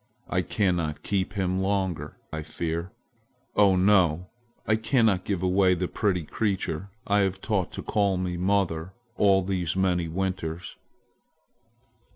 I cannot keep him longer, I fear. Oh, no, I cannot give away the pretty creature I have taught to call me 'mother' all these many winters."